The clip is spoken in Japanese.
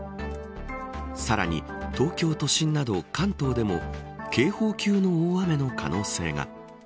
さらに東京都心など関東でも警報級の大雨の可能性が。